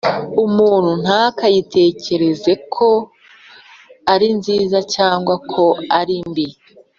Umuntu ntakayitegereze ko ari nziza cyangwa ko arimbi.